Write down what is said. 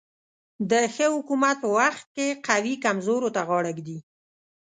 د ښه حکومت په وخت کې قوي کمزورو ته غاړه ږدي.